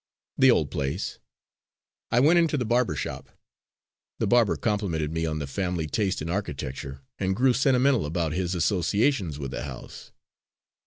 "The old place. I went into the barber shop. The barber complimented me on the family taste in architecture, and grew sentimental about his associations with the house.